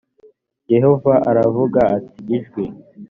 yehova aravuga ati ijwi